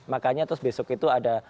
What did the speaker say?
makanya terus besok itu ada